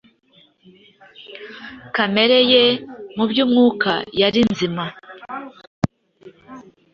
Kamere ye mu by’umwuka yari nzima